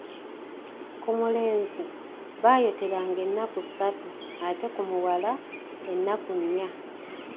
Ku mulenzi, baayoteranga ennaku ssatu ate ku muwala ennaku nnya.